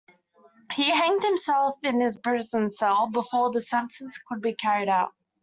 He hanged himself in his prison cell before the sentence could be carried out.